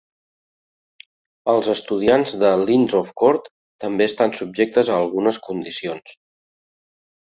Els estudiants de l'Inns of Court també estan subjectes a algunes condicions.